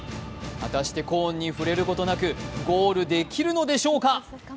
果たしてコーンに触れることなくゴールできるのでしょうか。